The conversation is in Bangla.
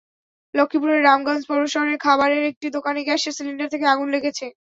লক্ষ্মীপুরের রামগঞ্জ পৌর শহরে খাবারের একটি দোকানে গ্যাসের সিলিন্ডার থেকে আগুন লেগেছে।